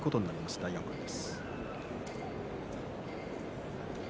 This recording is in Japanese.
大奄美です。